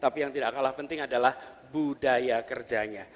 tapi yang tidak kalah penting adalah budaya kerjanya